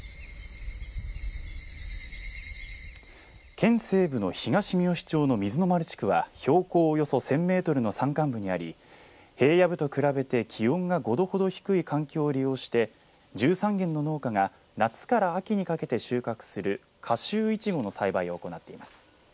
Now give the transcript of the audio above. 県西部の東みよし町の水の丸地区は標高およそ１０００メートルの山間部にあり平野部と比べて気温が５度ほど低い環境を利用して１３軒の農家が夏から秋にかけて収穫する夏秋いちごの栽培を行っています。